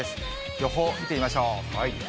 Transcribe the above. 予報見てみましょう。